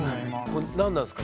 何なんですか？